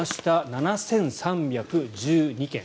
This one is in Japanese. ７３１２件。